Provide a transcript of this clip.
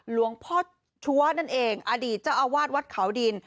หลวงพ่อนั่นเองอดีตเจ้าอาวาลวัดขาวดิน